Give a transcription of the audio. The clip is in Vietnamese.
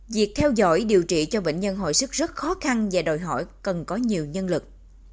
việc theo dõi điều trị cho bệnh nhân hồi sức rất khó khăn và đòi hỏi cần có nhiều nhân lực